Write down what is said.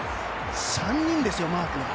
３人ですよ、マークが。